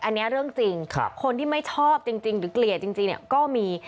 อันนี้เรื่องจริงคนที่ไม่ชอบจริงหรือเกลี่ยจริงก็มี